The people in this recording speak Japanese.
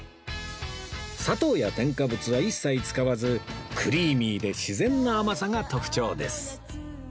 砂糖や添加物は一切使わずクリーミーで自然な甘さが特徴です